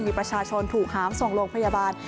มีประชาชนถูกหามส่งโรงพยาบาล